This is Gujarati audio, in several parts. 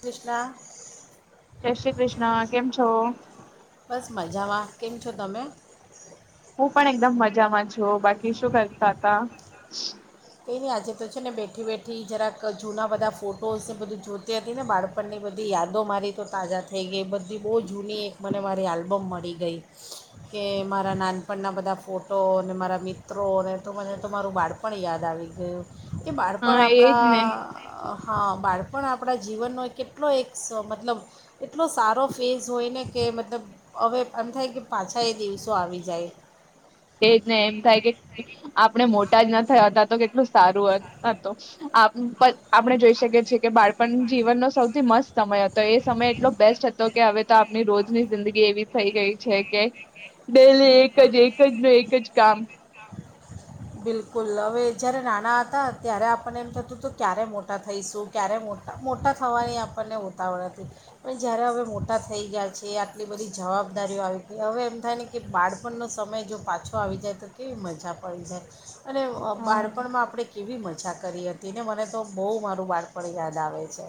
કૃષ્ણા જય શ્રી કૃષ્ણ કેમ છો બસ મજામાં કેમ છો તમે હું પણ એકદમ મજામાં છુ બાકી શું કરતા હતા. કંઈ નહી આજે તો છે ને બેઠી-બેઠી જરાક જૂના બધા ફોટો એ બધું જોતી એ ને બાળપણની બધી યાદો મારી તો તાજા થઈ ગઈ બધી બહુ જૂનીને મારી આ બમ મળી ગઈ કે મારા નાનપણના બધા ફોટો ને મારા મિત્રોને તો મને તો મારું બાળપણ યાદ દા આવી ગયું. એ બાળપણ હા એજ આપણા ને હા બાળ પણ આપણા જીવનનો કેટલો એક સ મતલબ એટલો સારો ફેઝ હોયને. કે મતલબ હવે એમ થાય કે પાછા એ દિવસો આવી જાય. એ જને એમ થાય, કે આપણે મોટા જ ના હતા, તો કેટલું સારું હતું આપણે જોઈ શકીએ છીએ. કે બાળપણ જીવનનો સૌથી મસ્ત સમય હતો. એ સમય એટલો બેસ્ટ હતો, કે હવે તો આપણી રોજની જિંદગી એવી થઈ ગઈ છે. કેલી એક એક જ ન એક જ કામ બિલકુલ હવે જ્યારે નાણાં હતા ત્યારે આપણને એમ થતું, તો ક્યારે મોટા થઈશું. ક્યારે મોટા મોટા થવાની આપણને ઉતાવળ હતી, પણ જ્યારે હવે મોટા થઈ ગયા છે. આટલી બધી જવાબદારીઓ આવી હતી હવે એમ થાય. ને કે બાળપણનો સમય જો પાછો આવી જાય. તો કેવી મજા પડી જાય. અને હા બાળપણમાં આપણે કેવી મજા ઈચ્છા કરી હતી ને મને તો બહુ મારું બાળપણ યાદ આવે છે.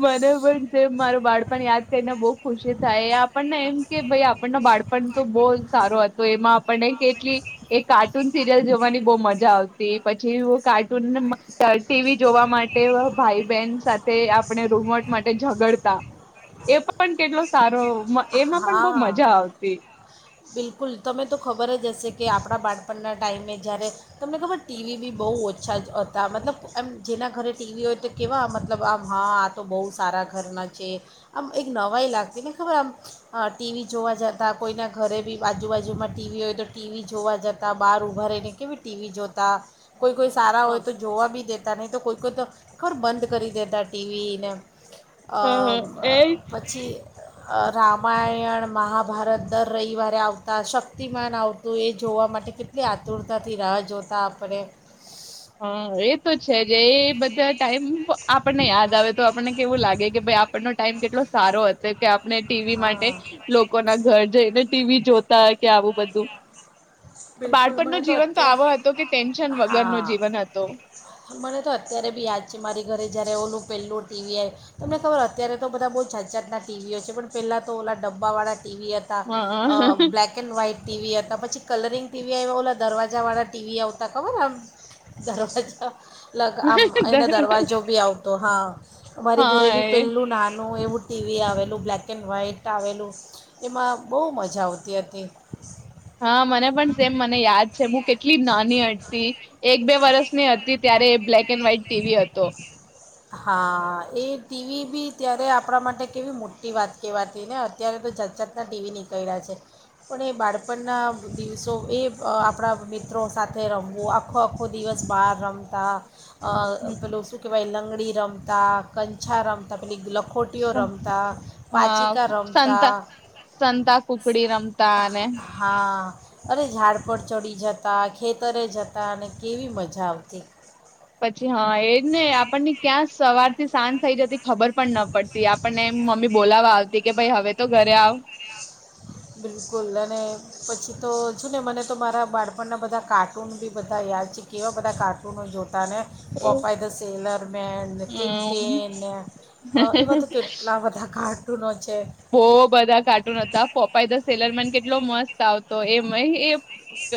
મને પણ મારું બાળપણ યાદ કરીને બહુ ખુશી થાય. આપણને એમ કે ભાઈ આપણ ન બાળપણ તો બહુ સારો હતો, એમાં આપણને કેટલી એ કાર્ટૂન સિરિયલ જોવાની બહ મજા આવતી. પછી કાર્ટૂન ટીવી જોવા માટે ભાઈ બહેન સાથે આપણે રૂમવટ માટે ઝગડતા એ પણ કેટલો સારો એમાં પણ બહુ હા મજા આવતી. બિલકુલ તમે તો ખબર જ હશે, કે આપણા બાળપણના ટાઈમે જ્યારે તમને ખબર ટીવી બી બહુ ઓછા જ હતા. મતલબ એમ જેના ઘરે ટીવી હોય, તો કેવા મતલબ આમ હા આ તો બહુ સારા ઘરના છે. આમ એક નવાય લાગતી ને ખબર આમ ટીવી જોવા જતાં કોઈના ઘરે બી આજુબાજુમાં ટીવી હોય. તો ટીવી જોવા જતાં બહાર ઊભા રહીને કેવી ટીવી જોતા. કોઈ કોઈ સારા હોય હમ તો જોવા બી દે. નહી તો કોઈ કોઈ તો ખર બંધ કરી દેતા ટીવીને હમ એજ પછી. અ રામ રામાયણ, મહાભારત દર રવિવારે આવતા શક્તિમાન આવતું એ જોવા, માટે કેટલી આતુરતાથી રાહ જોતા આપણે. હ એ તો છે, જે એ બધા ટાઈમ આપણને યાદ આવે. તો આપણને કેવું લાગે કે ભાઈ આપણનો ટાઈમ કેટલો સારો હતો કે આપને ટીવી માટે હા લોકો ના ઘર જઈને. ટવી જોતા કે આવું. બિલકુલ બાળપણ મને ન જીવન તો અત્યાર આવો હતો કે ટેન્શન વગર નો હા જીવન. હતો. મને તો અત્યારે બી યાદ છે. મારી ઘરે જયારે એવું પહેલું ટીવી આવ તમને ખબર અત્યારે તો બધા બહુ જાંજાતનાં ટીવીઓ છે. પણ પહેલાં તો ઓલા ડબ્બાવાળા ટીવી હતા. હા બ્લલેક એન્ડ વ્હાઈટ ટીવી હતા પછી, કલરિંગ ટીવી આવ્યા બ ઓલા દરવાજાવાળા ટીવી આવતા ખબર આમ દરવાજા. લગ આમ એનો દરવાજો બી આવતો હા. મારી ઘરે હા બી એ પેલું નાનું એવું. ટીવી આવેલું બ્લેક એન્ડ વ્હાઈટ આવેલું એમાં બહુ મજા આવતી હતી. હા મને પણ સેમ મને યાદ છે. હું કેટલી નાની હટતી એક બે વર્ષની હતી ત્યારે એ બ્લેક એન્ડ વ્હાઈટ ટીવી હતો. હા! એ ટીવી બી ત્યારે આપણા માટે કેવી મોટી વાત કહેવાતી ને અત્યારે તો જતજતના ટીવી નીકળ્યા છે, પણ એ બાળપણના દિવસો એ આપણા મિત્રો સાથે રમવું. આખો આખો દિવસ બહાર રમતા. અ પલસું કેવા લંગ રમતા કંછા રમતા પે હા રમતા સંતા સંતા કુકડી રમતા અને હા અરે ઝાડ પર ચડી જતા ખેતરે જતા અને કેવી મજા આવતી. પછી હા એજ ને આપણને ક્યાં સવાર થી સાંજ થઈ જતી ખબર પણ ન પડતી આપણને એમ મમ્મી બોલાવવા આવતી કે ભાઈ હવે તો ઘરે આવ. બિલકુલ અને પછી તો છે ને મને તો મારા બાળપણના બધા કાર્ટૂન બી બધા યાદ છે કેવા બધા કાર્ટૂનો જોતા પોપાઈ દ સેલરમેનન, ટીન હમ ટેન ને એવા તો કેટલા બધા કા જૂનો છે. હો બધા કાર્ટૂન હતા. પોપાાઈ ધ સેલરમેન કેટલો મસ્ત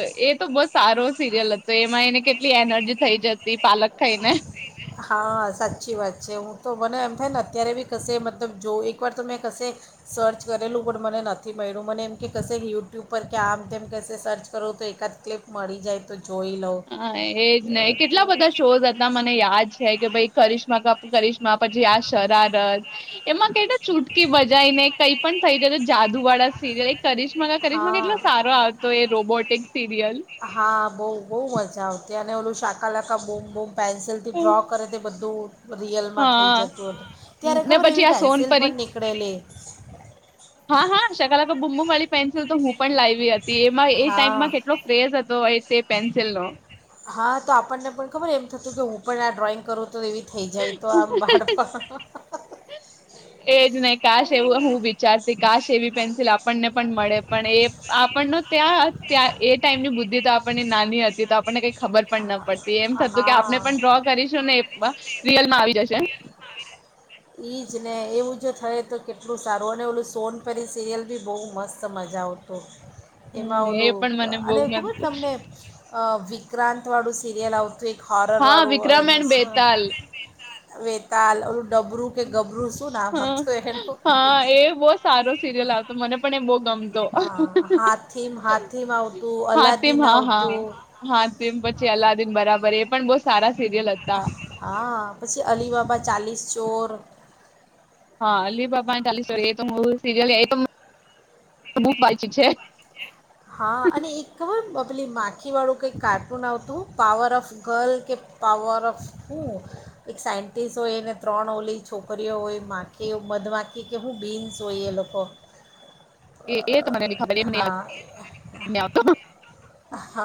એ-એ તો બહુ સારો સિરિયલ હતો એમાં એને કેટલી એનર્જી થઈ જતી. પાલક ખાઈ ને હા સાચી વાત છે હું તો મને એમ થાય ને અત્યારે બી કશે મતલબ જો એકવાર તો મેં કશે સર્ચ કરેલું પણ મને નથી મળ્યું મને એમ કે કશે યુટ્યુબ પર કે આમ તેમ કશે સર્ચ કરું તો એકાદ ક્લિપ મળી જાય તો જોઈ લઉં હા એજ અ, ને કેટલા બધા શોઝ મને યાદ છે કે ભાઈ કરશ્ કા કરિશ્મા પછી આ શરારત એમાં કેટલા ચૂટકી બજાઈ ને કઈ પણ થઈ જાય જાદુ વાળા સિરિયલ એ તો કરિશ્મા-કરિશ્મા કેટલો હા સારો આવતો એ રોબોટિક સિરિયલ હા બહુ બહુ મજા આવતી અને ઓલું શાકાલાાકા બુમ-બુમ પેન્સિલથી ડ્રો કરે તે બધું રિયલમાં થઈ હા જતું હતું ત્યારે ને ખબર પછી એવી આ પેન્સિલ સોનપરી પણ નીકળેલી હા હા સગલાંગા બુમબુમ વાળી પેન્સિલ તો હું પણ લાયવી હતી એમાં એ હા ટાઈમમાં કેટલો ક્રેઝ હતો તે પેન્સિલનો હા તો આપણને પણ ખબર એમ થતું કે હું પણ આ ડ્રોઈંગ કરું તો એવી થઈ જાય તો આમ બાળપણ એજ નહી કાશ, એવું હું વિચારતી કાશ એવી પેન્સિલ આપણને પણ મળે પણ એ આમ આપણ ત્યાં-ત્યાં એ ટાઈમની બુદ્ધિ તો આપણને નાની હતી તો આપણને કઈ ખબર પણ ન પડતી એમ થતું કે આપને હા પણ ડ્રો કરીશું ને એ રિયલમાં આવી જશે. ઈજ ને એવું જો થય તો કેટલું સારું અને ઓલું સોનપરી સિરિયલ બી બહુ મસ્ત મજા આવતો એમાં હમ એ ઓલું પણ મને બહુ અને ખબર ગમતું તમને વિ વિક્રાંતવાળુ સીરીયલ આવતું એક હા, હોરરવાળું વિક્રમ એન એનું શું બેતાલ વેતાલ ઓલુ હ એનું હા એ બવ સારો સિરિયલ આવતો મને આપણે બોગ ગમતો, હા હાથીમ હાથીમ આવતું હાતિમ અલાદીન હા-હા આવતું હાતિમ પછી અલ્લાદીન બરાબર એ પણ બવ સારા સિરીયલ હતા. હા પછી અલીબબા ચાલીસ ચોર હા અલ્લી બાપા તાલી [unintelligible] સિરિયલ એ બવ વાચી છે. હા અને એક ખબર પેલી માખીવાળું કંઈક કાર્ટૂન આવતું પાવર ઓફ ગર્લ કે પાવર ઓફ હું એક સાયન્ટિસ્ટ હોય એને ત્રણ ઓલી છોકરીઓ હોય માખી મધમાખી કે હું બિન્સ હોય એ લોકો એ એ તો મને ન ખબર એ મને હા ની આવતો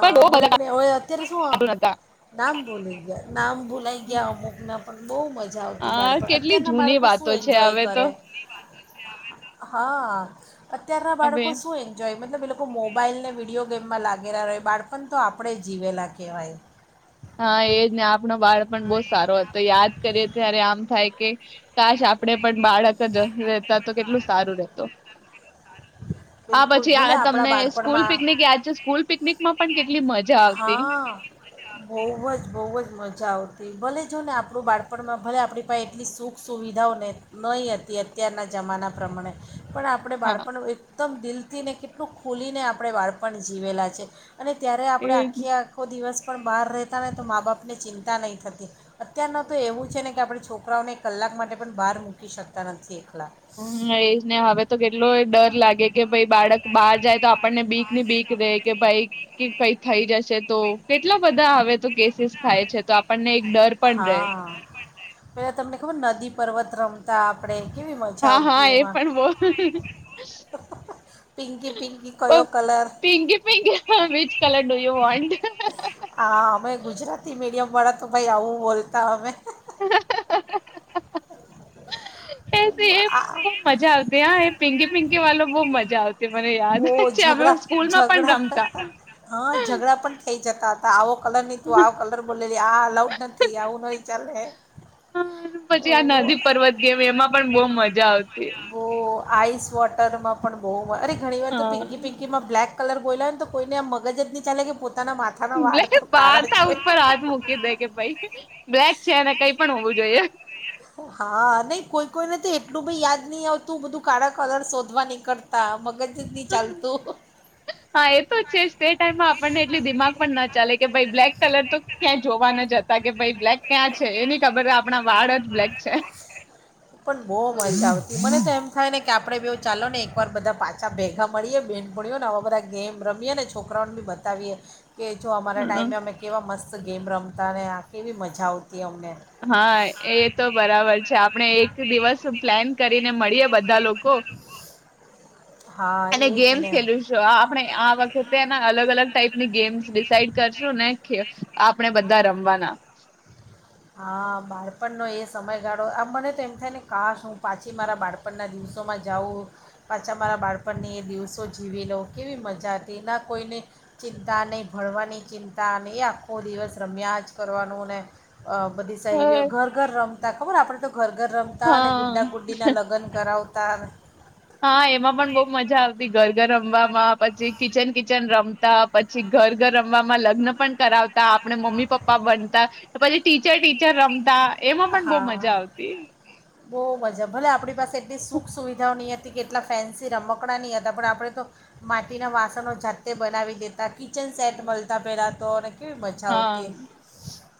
પણ બો મને બધા પણ હવે અત્યારે શું કાર્ટૂન હતા. નામ ભૂલી ગયા નામ ભોલાઈ ગયા અમુક નામ પણ બહુ મ જા આવતી હા બાળપણ. કેટલી અત્યારના જૂની બાળકો વાતો શું છે એન્જોય હવે તો કરે, હા. અત્યારના હવે બાળકો શું એન્જોય મતલબ પેલું આ મોબાઈલ ને વિડીયો ગેમમાં લાગેલા હોય બાળપણ તો આપણેે જીવેલા કહેવાય. હા એજ ને આપણો બાળ પણ બહ સારો હતો યાદ કરીએ ત્યારે આમ થાય કે કાશ આપણેે પણ બાળક જ રહેતા તો કેટલું સારું રેહતો, આ બિલકુલ પછી ભલે આ આપણા તમને સ્કૂલ બાળપણમાં પિકનિક યાદ છે? સ્કૂલ પિકનિકમાં પણ કેટલી મ હા, બઉ જ. બઉ જ મજા આવતી, ભલે જો ને આપણું બાળપણમાં ભલે આપણી પાંહે એટલી સુખ સુવિધાઓ ન નઈ અતી, અત્યારના જમાના પ્રમાણે પણ આપણે હા બાળપણનું એકદમ દિલ થીને કેટલું ખુલીને આપણે વાળપણ જીવેલા છે. અને ત્યારે એ આપણેે આ આખો દિવસ પણ બહાર રહેતા ને તો મા બાપને ચિંતા નઈ થતી, અત્યારના તો એવું છે ને કે આપણે છોકરાઓને કલાક માટે પણ બહાર મૂકી શકતા નથી એકલા. હમ્મ, એ જ ને હવે તો કેટલોય ડર લાગે કે ભઈ બાળક બહાર જાય તો આપણને બીક ની બીક રે કે ભાઈ કી કંઈ થઈ જશે તો? કેટલા બધા હવે તો કેસીસ થાય છે તો આપણને એક ડર પણ રે. પેલા તમને ખબર નદી પર્વત રમતા આપડે? હા, હા, એ પણ પિંકી પિંકી બો પ કયો colour Pinky Pinky which colour do you want? એ હા અમે ગુજરાતી મીડિયમ વાળા તો ભાઈ આવું બોલતા અમે. આ [unintelligible] બઉ મજા આવતી હં એ પિંકી પિંકી વાલો બઉ મજા આવ ઓહ ઝઘડા પણ ઝધડા. રમતા હા, ઝઘડા પણ થઈ જતાતા આવો કલર ની તું આવ કલર બોલેલી આ અલાઉડ નથી આવું નહીં ચાલે. પછી આ ઓહો નદી પર્વત ગેમ એમાં પણ બહુ મજા આવતી બહુ આઈસ વોટરમાં પણ બહુ માર અરે ઘણી વાર તો પિંકી હા પિંકી માં બ્લેક કલર બોએલા હોય તો કોઈને આમ મગજ નહીં ચાલે કે પો લે બાથા ઉપર હાથ મૂકી દે કે ભાઈ બ્લેક છેને કઈ પણ હોવું જોઈએ. હા નહીં કોઈ કોઈને તો એટલું યાદ નહી આવતું બધું કાળા કલર શોધવા ન નીકળતા મગજ જ નહીં હ ચાલતું હા એ તો છે જ તે ટાઈમમાં આપણને એટલી દિમાગ પણ ના ચાલે કે ભ બ્લેક કલર તો ક્યાં જોવા ન જતા કે ભાઈ બ્લેક ક્યાં છે એ ન ખબર આપણા વાળ જ બ્લેક છે. પણ બહુ મજા આવતી મને તો એમ થાય ને કે આપણે બ બેવું ચાલો ને કવાર બધા પાછા અછા ભેગા મળીએ બેન ભણીઓ ને આવા બધા ગેમ રમીએ ને છોકરાઓને બી બતાવીએ... કે જો અમારા હમ ટાઈમે અમે કેવા મસ્ત બસ ગેમ રમતા ને આખી એવી મજા આવતી. અમને હા એ તો બરાબર છે આપણે એક દિવસ પ્લેન કરીને મળીએ બધા લોકો. હા અને એ જ ગેમ્સ ને ખેલું છું આપણે આ વખતેના અલગ અલગ ટાઈપની ગેમ્સ ડિસાઇડ કરશું ને આપણે બધા રમવાના. હા બાળપણનો એ સમયગાળો આ મને તો એમ થાય ને કાશ હું પાછી મારા બાળપણના દિવસોમાં જાઉં પાછા મારા બાળપણની એ દિવસો જીવી લોઉં કેવી મજા હતી ના કોઈની ચિંતા નહીં ભણવાની ચિંતા અનેને એ આખો દિવસ રમ્યા જ કરવાનું ને બધી સહેલીયો ઘર ઘર રમતા ખબર આપણે તો ઘર-ઘર રમતા અને હા. ગુ્ડા ગુડ્ડીનાં લગન કરાવતા તમે હા એમાં પણ બહુ મજા આવતી ઘર રમવામાં પછી કિચન-કિચન રમતા પછી ઘર-ઘર રમવામાં લગ્ન પણ કરાવતા ત આપણે મમ્મી-પાપા બનતા તો પછી ટીચર-ટીચર રમતા એમાં પણ બહુ હા મજા આવતી. બહુ મજા, ભલે આપણી પાસે એટલી સુખ સુવિધાઓની થી કેટલા ફેન્સી રમકડાં નહીં હતા પણ આપણે તો માટીનાં વાસણો જાતે બનાવી દેતા કિચન સેટ મળતા પહેલાં તો અને કેવી મજા હા, આવતી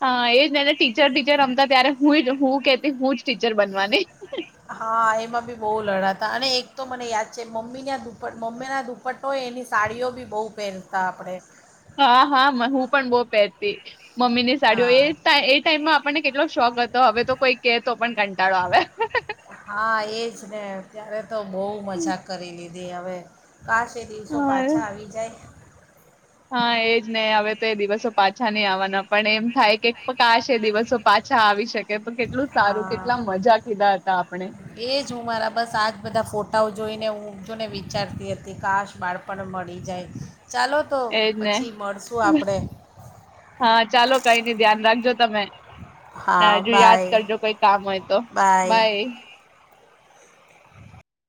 હા એ જ એને ટીચર-ટીચર રમતા ત્યારે [unintelligible] હું-હું કેતી હું જ ટીચર બનવાની. હા, એમાં ભી બહુ લડાતી હતા અને એક તો મને યાદ છે મમ્મીના દુપટ્ટો મમ્મીના દુપટ્ટોય એની સાડીઓ ભી બહુ પહેરતા આપણે હા, હા મન હું પણ બહુ પહેરતી. મમ્મીની સાડીઓ એ-એ હા ટાઈમમાં આપણને કેટલો શોખ હતો, હવે તો કોઈ કે તો પણ કંટાળો આવે. હાં-હાં. હા એ જ ને એ હવે કાશ એ દિવસો પાછા આવી જાય. હા એજ હ હવે તો એ દિવસો પાછા નહી આવવાના પણ એમ થાય કે કાશ એ દિવસો પાછા આવી શકે તો કેટલું સારું હા કેટલા મજા કીધા હતા આપણે ટા જોઈને હું જોને વિચારતી હતી કે કાશ બાળપણ મળી જાય. ચાલો, તો એજ ને પછી મળશું આપણે. હા ચાલો, કઈ નઈ ધ્યાન રાખજો તમે. હા ના જો યાદ બાય કરજો કોઈ કામ હોય તો, બાય.